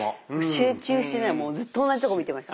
集中してねもうずっと同じとこ見てました。